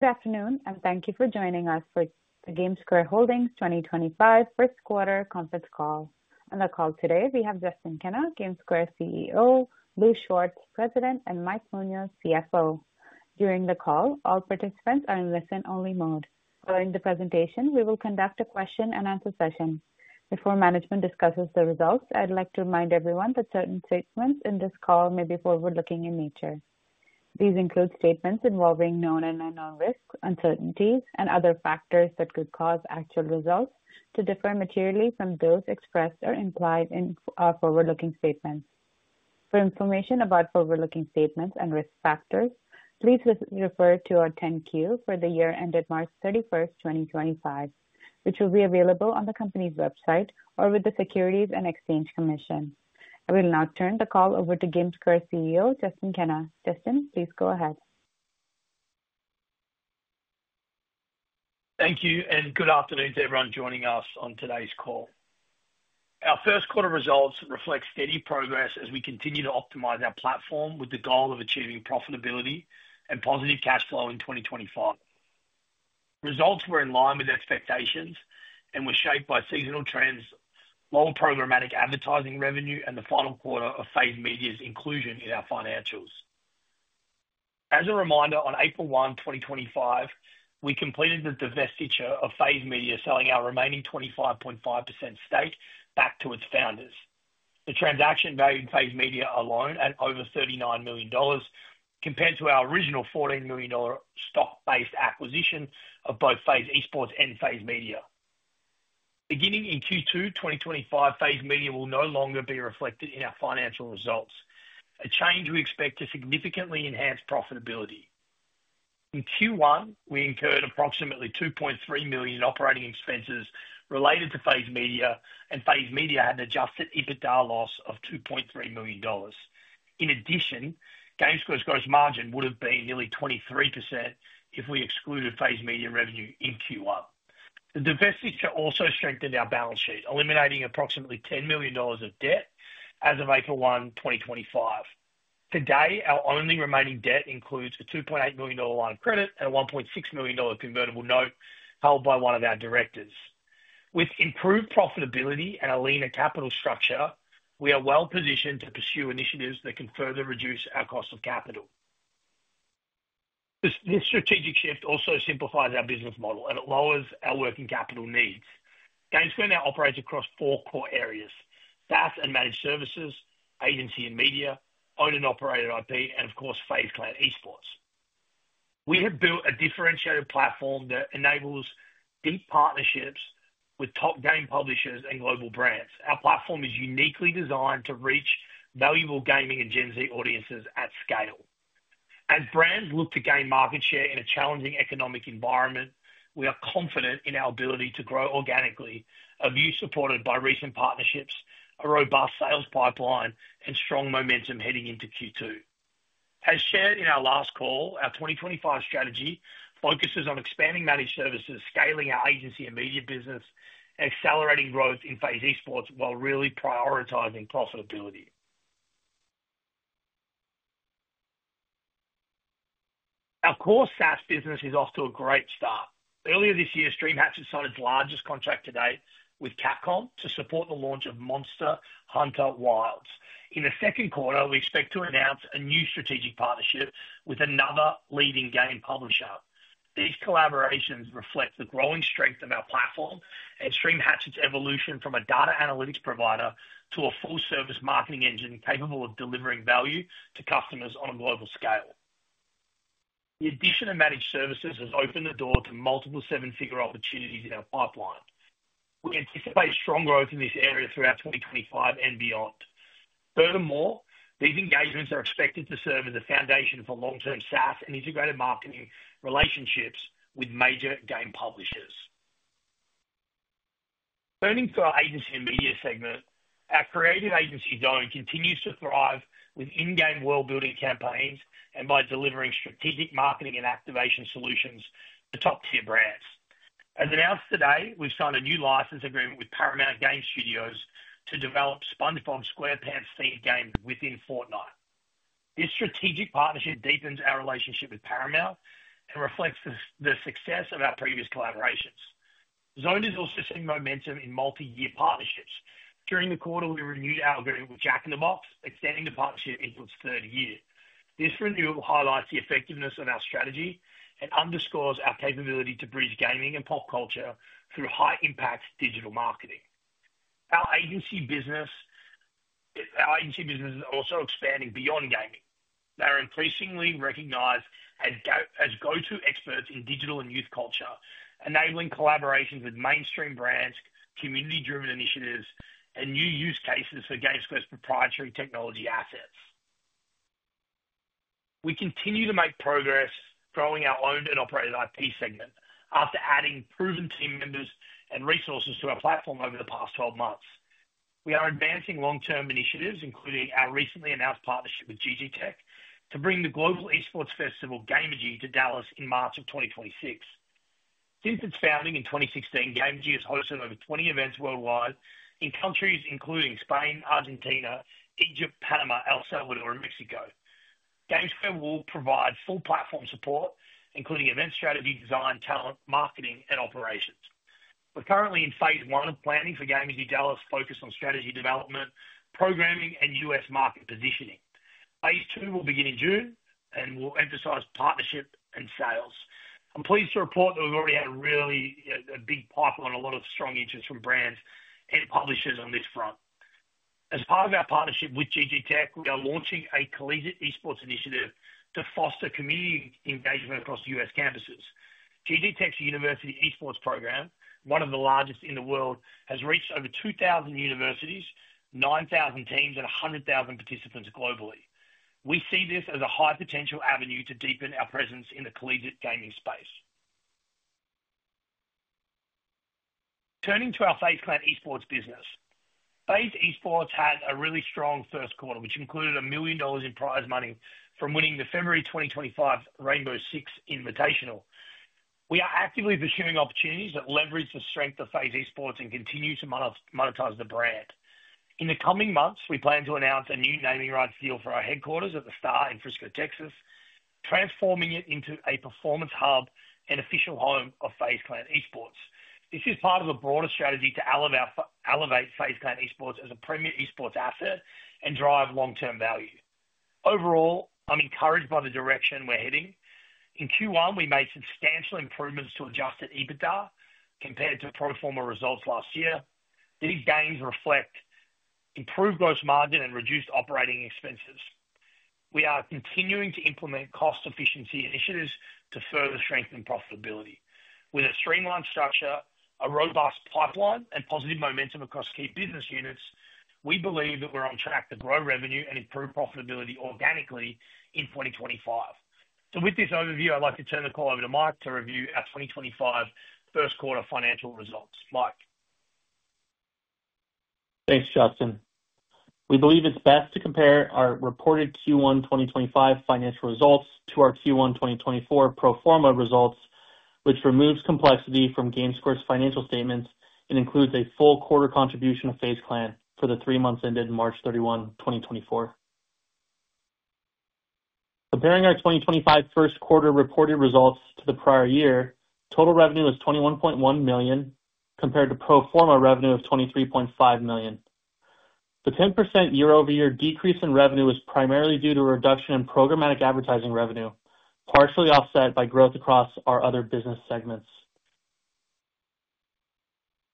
Good afternoon, and thank you for joining us for the GameSquare Holdings 2025 First Quarter Conference Call. On the call today, we have Justin Kenna, GameSquare CEO, Louis Schwartz, President, and Mike Munoz, CFO. During the call, all participants are in listen-only mode. Following the presentation, we will conduct a question-and-answer session. Before management discusses the results, I'd like to remind everyone that certain statements in this call may be forward-looking in nature. These include statements involving known and unknown risks, uncertainties, and other factors that could cause actual results to differ materially from those expressed or implied in forward-looking statements. For information about forward-looking statements and risk factors, please refer to our 10-Q for the year ended March 31, 2025, which will be available on the company's website or with the Securities and Exchange Commission. I will now turn the call over to GameSquare CEO, Justin Kenna. Justin, please go ahead. Thank you, and good afternoon to everyone joining us on today's call. Our first-quarter results reflect steady progress as we continue to optimize our platform with the goal of achieving profitability and positive cash flow in 2025. Results were in line with expectations and were shaped by seasonal trends, low programmatic advertising revenue, and the final quarter of FaZe Media's inclusion in our financials. As a reminder, on April 1, 2025, we completed the divestiture of FaZe Media, selling our remaining 25.5% stake back to its founders. The transaction valued FaZe Media alone at over $39 million, compared to our original $14 million stock-based acquisition of both FaZe Clan Esports and FaZe Media. Beginning in Q2 2025, FaZe Media will no longer be reflected in our financial results, a change we expect to significantly enhance profitability. In Q1, we incurred approximately $2.3 million in operating expenses related to FaZe Media, and FaZe Media had an adjusted EBITDA loss of $2.3 million. In addition, GameSquare's gross margin would have been nearly 23% if we excluded FaZe Media revenue in Q1. The divestiture also strengthened our balance sheet, eliminating approximately $10 million of debt as of April 1, 2025. Today, our only remaining debt includes a $2.8 million line of credit and a $1.6 million convertible note held by one of our directors. With improved profitability and a leaner capital structure, we are well-positioned to pursue initiatives that can further reduce our cost of capital. This strategic shift also simplifies our business model, and it lowers our working capital needs. GameSquare now operates across four core areas: SaaS and managed services, agency and media, owned and operated IP, and, of course, FaZe Clan Esports. We have built a differentiated platform that enables deep partnerships with top game publishers and global brands. Our platform is uniquely designed to reach valuable gaming and Gen Z audiences at scale. As brands look to gain market share in a challenging economic environment, we are confident in our ability to grow organically, a view supported by recent partnerships, a robust sales pipeline, and strong momentum heading into Q2. As shared in our last call, our 2025 strategy focuses on expanding managed services, scaling our agency and media business, and accelerating growth in FaZe Esports while really prioritizing profitability. Our core SaaS business is off to a great start. Earlier this year, StreamHatch had signed its largest contract to date with Capcom to support the launch of Monster Hunter Wilds. In the second quarter, we expect to announce a new strategic partnership with another leading game publisher. These collaborations reflect the growing strength of our platform and StreamHatch's evolution from a data analytics provider to a full-service marketing engine capable of delivering value to customers on a global scale. The addition of managed services has opened the door to multiple seven-figure opportunities in our pipeline. We anticipate strong growth in this area throughout 2025 and beyond. Furthermore, these engagements are expected to serve as a foundation for long-term SaaS and integrated marketing relationships with major game publishers. Turning to our agency and media segment, our creative agency Zoned continues to thrive with in-game world-building campaigns and by delivering strategic marketing and activation solutions to top-tier brands. As announced today, we've signed a new license agreement with Paramount Game Studios to develop SpongeBob SquarePants-themed games within Fortnite. This strategic partnership deepens our relationship with Paramount and reflects the success of our previous collaborations. Zoned is also seeing momentum in multi-year partnerships. During the quarter, we renewed our agreement with Jack in the Box, extending the partnership into its third year. This renewal highlights the effectiveness of our strategy and underscores our capability to bridge gaming and pop culture through high-impact digital marketing. Our agency business is also expanding beyond gaming. They are increasingly recognized as go-to experts in digital and youth culture, enabling collaborations with mainstream brands, community-driven initiatives, and new use cases for GameSquare's proprietary technology assets. We continue to make progress growing our owned and operated IP segment after adding proven team members and resources to our platform over the past 12 months. We are advancing long-term initiatives, including our recently announced partnership with GG Tech, to bring the global esports festival GAMERGY to Dallas in March of 2026. Since its founding in 2016, GG Tech has hosted over 20 events worldwide in countries including Spain, Argentina, Egypt, Panamá, El Salvador, and Mexico. GameSquare will provide full platform support, including event strategy, design, talent, marketing, and operations. We're currently in phase one of planning for GG Tech Dallas, focused on strategy development, programming, and U.S. market positioning. Phase two will begin in June and will emphasize partnership and sales. I'm pleased to report that we've already had a really big pipe on a lot of strong interest from brands and publishers on this front. As part of our partnership with GG Tech, we are launching a collegiate esports initiative to foster community engagement across U.S. campuses. GG Tech's university esports program, one of the largest in the world, has reached over 2,000 universities, 9,000 teams, and 100,000 participants globally. We see this as a high-potential avenue to deepen our presence in the collegiate gaming space. Turning to our FaZe Clan Esports business, FaZe Esports had a really strong first quarter, which included $1 million in prize money from winning the February 2025 Rainbow Six Invitational. We are actively pursuing opportunities that leverage the strength of FaZe Esports and continue to monetize the brand. In the coming months, we plan to announce a new naming rights deal for our headquarters at The Star in Frisco, Texas, transforming it into a performance hub and official home of FaZe Clan Esports. This is part of a broader strategy to elevate FaZe Clan Esports as a premier esports asset and drive long-term value. Overall, I'm encouraged by the direction we're heading. In Q1, we made substantial improvements to adjusted EBITDA compared to pro forma results last year. These gains reflect improved gross margin and reduced operating expenses. We are continuing to implement cost-efficiency initiatives to further strengthen profitability. With a streamlined structure, a robust pipeline, and positive momentum across key business units, we believe that we're on track to grow revenue and improve profitability organically in 2025. With this overview, I'd like to turn the call over to Mike to review our 2025 first-quarter financial results. Mike. Thanks, Justin. We believe it's best to compare our reported Q1 2025 financial results to our Q1 2024 pro forma results, which removes complexity from GameSquare's financial statements and includes a full quarter contribution of FaZe Clan for the three months ended March 31, 2024. Comparing our 2025 first-quarter reported results to the prior year, total revenue was $21.1 million compared to pro forma revenue of $23.5 million. The 10% year-over-year decrease in revenue was primarily due to a reduction in programmatic advertising revenue, partially offset by growth across our other business segments.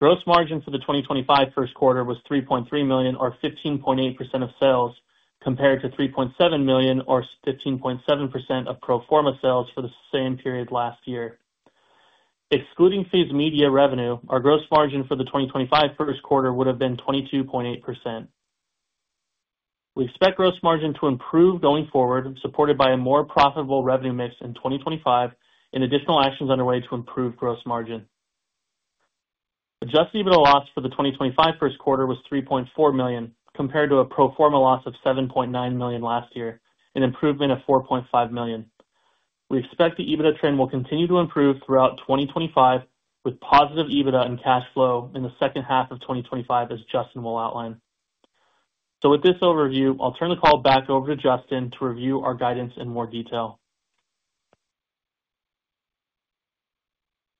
Gross margin for the 2025 first quarter was $3.3 million, or 15.8% of sales, compared to $3.7 million, or 15.7% of pro forma sales for the same period last year. Excluding FaZe Media revenue, our gross margin for the 2025 first quarter would have been 22.8%. We expect gross margin to improve going forward, supported by a more profitable revenue mix in 2025 and additional actions underway to improve gross margin. Adjusted EBITDA loss for the 2025 first quarter was $3.4 million, compared to a pro forma loss of $7.9 million last year, an improvement of $4.5 million. We expect the EBITDA trend will continue to improve throughout 2025, with positive EBITDA and cash flow in the second half of 2025, as Justin will outline. With this overview, I'll turn the call back over to Justin to review our guidance in more detail.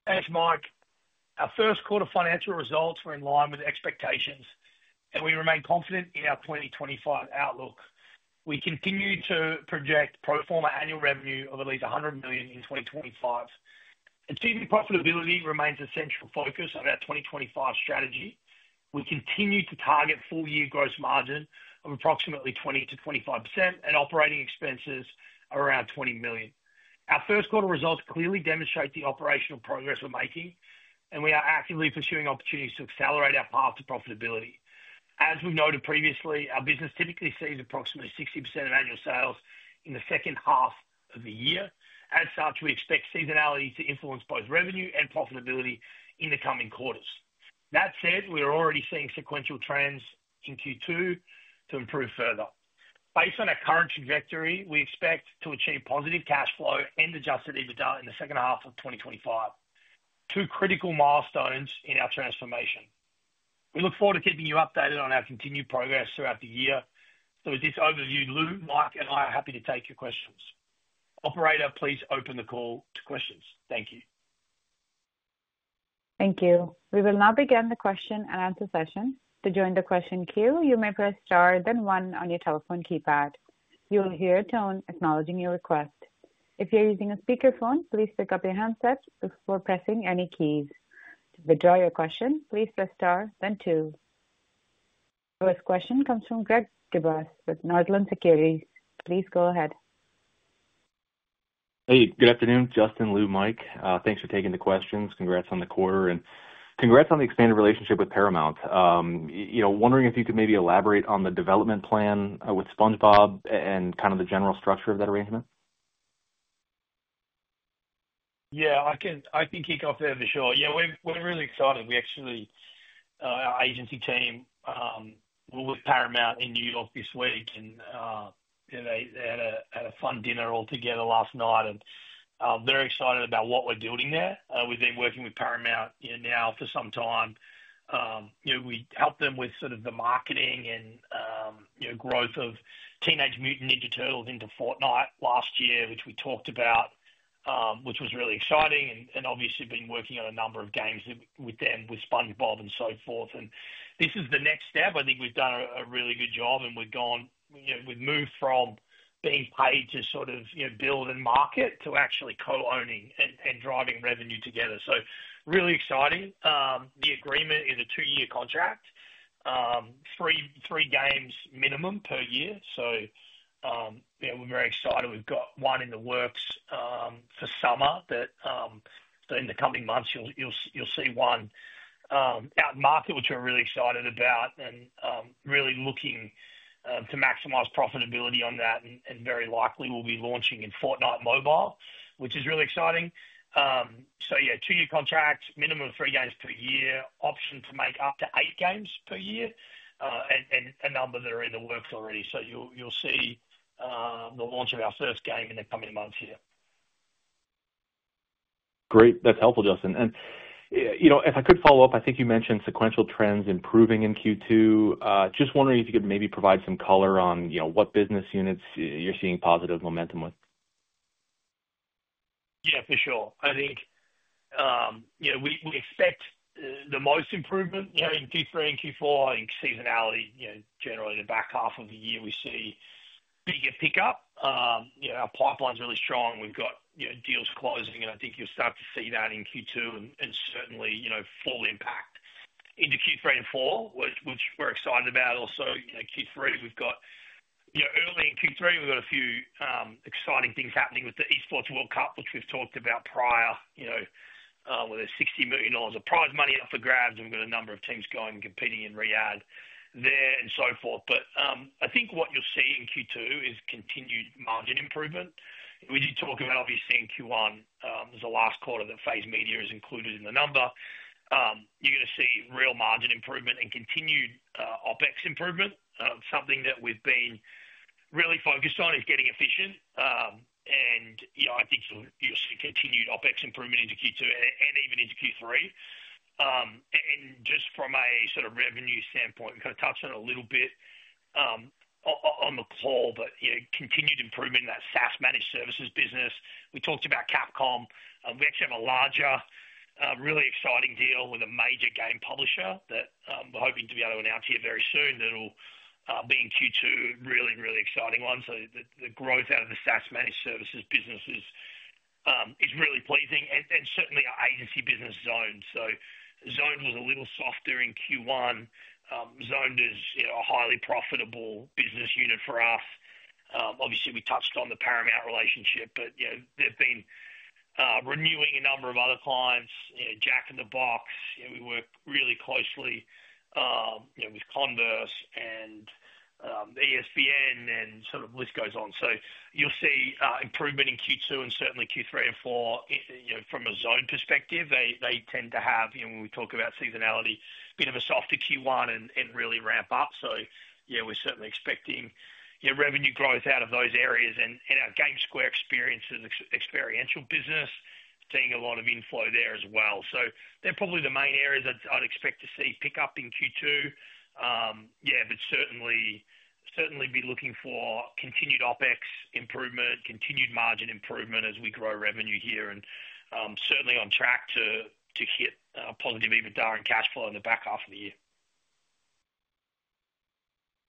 Thanks, Mike. Our first-quarter financial results were in line with expectations, and we remain confident in our 2025 outlook. We continue to project pro forma annual revenue of at least $100 million in 2025. Achieving profitability remains a central focus of our 2025 strategy. We continue to target full-year gross margin of approximately 20%-25% and operating expenses around $20 million. Our first-quarter results clearly demonstrate the operational progress we're making, and we are actively pursuing opportunities to accelerate our path to profitability. As we've noted previously, our business typically sees approximately 60% of annual sales in the second half of the year. As such, we expect seasonality to influence both revenue and profitability in the coming quarters. That said, we are already seeing sequential trends in Q2 to improve further. Based on our current trajectory, we expect to achieve positive cash flow and adjusted EBITDA in the second half of 2025, two critical milestones in our transformation. We look forward to keeping you updated on our continued progress throughout the year. With this overview, Lou, Mike and I are happy to take your questions. Operator, please open the call to questions. Thank you. Thank you. We will now begin the question and answer session. To join the question queue, you may press star then one on your telephone keypad. You will hear a tone acknowledging your request. If you're using a speakerphone, please pick up your handset before pressing any keys. To withdraw your question, please press star then two. The first question comes from Greg Gibbers with Northland Securities. Please go ahead. Hey, good afternoon, Justin, Lou, Mike. Thanks for taking the questions. Congrats on the quarter and congrats on the expanded relationship with Paramount. Wondering if you could maybe elaborate on the development plan with SpongeBob and kind of the general structure of that arrangement. Yeah, I can kick off there for sure. Yeah, we're really excited. We actually, our agency team were with Paramount in New York this week, and they had a fun dinner altogether last night. They're excited about what we're doing there. We've been working with Paramount now for some time. We helped them with sort of the marketing and growth of Teenage Mutant Ninja Turtles into Fortnite last year, which we talked about, which was really exciting. Obviously, we've been working on a number of games with them with SpongeBob and so forth. This is the next step. I think we've done a really good job, and we've moved from being paid to sort of build and market to actually co-owning and driving revenue together. Really exciting. The agreement is a two-year contract, three games minimum per year. We're very excited. We've got one in the works for summer. In the coming months, you'll see one out in market, which we're really excited about and really looking to maximize profitability on that. Very likely, we'll be launching in Fortnite Mobile, which is really exciting. Yeah, two-year contract, minimum three games per year, option to make up to eight games per year, and a number that are in the works already. You'll see the launch of our first game in the coming months here. Great. That's helpful, Justin. If I could follow up, I think you mentioned sequential trends improving in Q2. Just wondering if you could maybe provide some color on what business units you're seeing positive momentum with. Yeah, for sure. I think we expect the most improvement in Q3 and Q4 in seasonality. Generally, the back half of the year, we see a bigger pickup. Our pipeline's really strong. We've got deals closing, and I think you'll start to see that in Q2 and certainly full impact into Q3 and Q4, which we're excited about. Also, Q3, we've got early in Q3, we've got a few exciting things happening with the Esports World Cup, which we've talked about prior, where there's $60 million of prize money up for grabs, and we've got a number of teams going and competing in Riyadh there and so forth. I think what you'll see in Q2 is continued margin improvement. We did talk about, obviously, in Q1, the last quarter, that FaZe Media is included in the number. You're going to see real margin improvement and continued OpEx improvement. Something that we've been really focused on is getting efficient. I think you'll see continued OpEx improvement into Q2 and even into Q3. Just from a sort of revenue standpoint, we kind of touched on it a little bit on the call, but continued improvement in that SaaS-managed services business. We talked about Capcom. We actually have a larger, really exciting deal with a major game publisher that we're hoping to be able to announce here very soon. That'll be in Q2, really, really exciting one. The growth out of the SaaS-managed services business is really pleasing. Certainly, our agency business, Zoned. Zoned was a little softer in Q1. Zoned is a highly profitable business unit for us. Obviously, we touched on the Paramount relationship, but they've been renewing a number of other clients, Jack in the Box. We work really closely with Converse and ESPN, and sort of the list goes on. You will see improvement in Q2 and certainly Q3 and Q4. From a Zoned perspective, they tend to have, when we talk about seasonality, a bit of a softer Q1 and really ramp up. Yeah, we are certainly expecting revenue growth out of those areas. Our GameSquare Experiences is an experiential business, seeing a lot of inflow there as well. They are probably the main areas I would expect to see pick up in Q2. Yeah, certainly be looking for continued OpEx improvement, continued margin improvement as we grow revenue here. Certainly on track to hit positive EBITDA and cash flow in the back half of the year.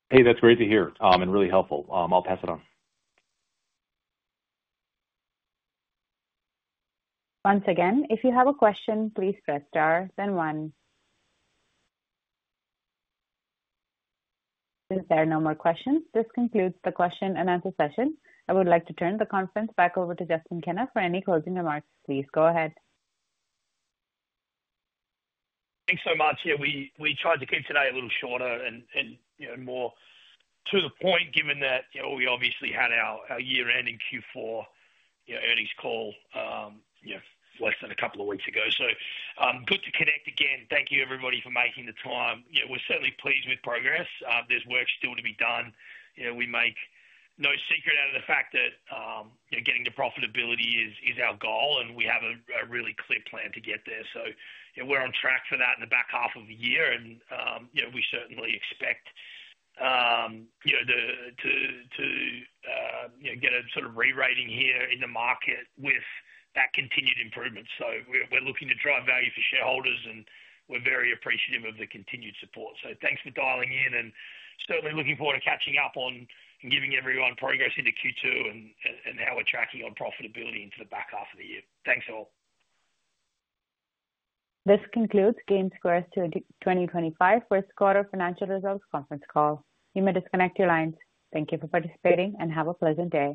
Hey, that's great to hear and really helpful. I'll pass it on. Once again, if you have a question, please press star then one. If there are no more questions, this concludes the question and answer session. I would like to turn the conference back over to Justin Kenna for any closing remarks. Please go ahead. Thanks so much. Yeah, we tried to keep today a little shorter and more to the point, given that we obviously had our year-end in Q4 Earnings Call less than a couple of weeks ago. Good to connect again. Thank you, everybody, for making the time. We're certainly pleased with progress. There's work still to be done. We make no secret out of the fact that getting to profitability is our goal, and we have a really clear plan to get there. We're on track for that in the back half of the year. We certainly expect to get a sort of re-rating here in the market with that continued improvement. We're looking to drive value for shareholders, and we're very appreciative of the continued support. Thanks for dialing in, and certainly looking forward to catching up on and giving everyone progress into Q2 and how we're tracking on profitability into the back half of the year. Thanks all. This concludes GameSquare Holdings' 2025 First-Quarter Financial Results Conference Call. You may disconnect your lines. Thank you for participating and have a pleasant day.